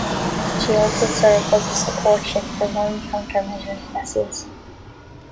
She also served as a support ship for Mine Counter Measures vessels.